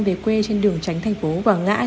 về quê trên đường tránh thành phố quảng ngãi